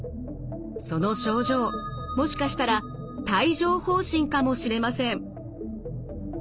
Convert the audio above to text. その症状もしかしたら帯状ほう疹かもしれません。